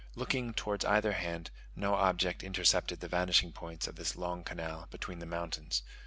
Looking towards either hand, no object intercepted the vanishing points of this long canal between the mountains.